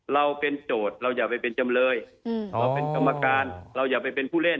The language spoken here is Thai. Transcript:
เราเป็นโจทย์เราอย่าไปเป็นจำเลยขอเป็นกรรมการเราอย่าไปเป็นผู้เล่น